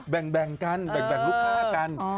แบ่งกันแบ่งลูกค้ากัน